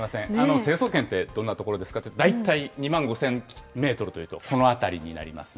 成層圏ってどんな所ですかって、大体２万５０００メートルというと、この辺りになりますね。